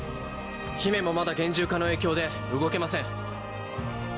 姫もまだ幻獣化の影響で動けません。